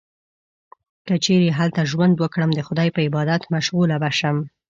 که چیرې هلته ژوند وکړم، د خدای په عبادت مشغوله به شم.